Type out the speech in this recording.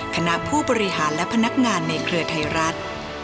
คณะผู้บริหารและพนักงานในเครือไทยรัฐ